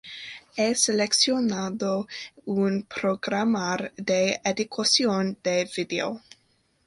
He seleccionado un programa de edición de vídeo